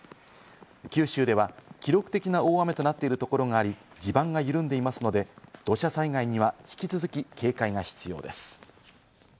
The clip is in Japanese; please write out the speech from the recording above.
九州では記録的な大雨となっているところがあり、地盤が緩んでいますので、土砂災害には引き続き警戒が必要です。